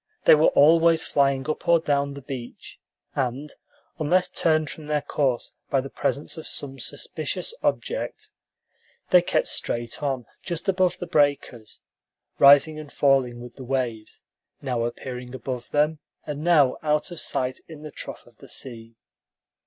They were always flying up or down the beach, and, unless turned from their course by the presence of some suspicious object, they kept straight on just above the breakers, rising and falling with the waves; now appearing above them, and now out of sight in the trough of the sea.